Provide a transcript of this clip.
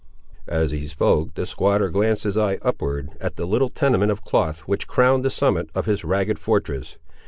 As he spoke, the squatter glanced his eye upward at the little tenement of cloth which crowned the summit of his ragged fortress.